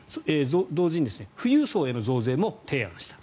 同時に富裕層への増税も提案した。